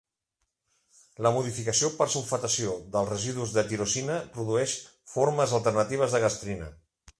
La modificació per sulfatació dels residus de tirosina produeix formes alternatives de gastrina.